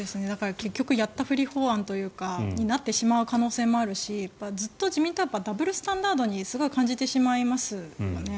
結局、やったふり法案になってしまう可能性もあるしずっと自民党はダブルスタンダードにすごい感じてしまいますよね。